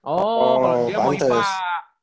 oh kalo dia mau ipa